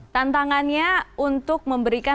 tantangannya untuk memberikan